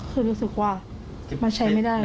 คือรู้สึกว่ามันใช้ไม่ได้